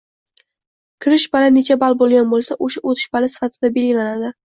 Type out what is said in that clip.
Kirish bali necha ball boʻlgan boʻlsa, oʻsha oʻtish bali sifatida belgilanadi.